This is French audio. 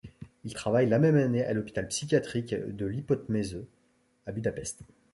Il travaille la même année à l'hôpital psychiatrique de Lipótmező, à Budapest.